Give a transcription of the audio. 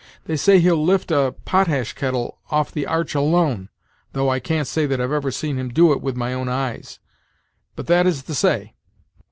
They say he'll lift a potash kettle off the arch alone, though I can't say that I've ever seen him do it with my own eyes; but that is the say.